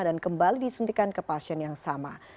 dan kembali disuntikan ke pasien yang sama